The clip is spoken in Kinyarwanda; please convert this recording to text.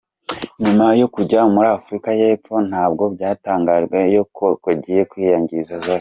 Nyuma yo kujya muri Afurika y’Epfo nabwo byatangajwe ko yagiye kwinginga Zari.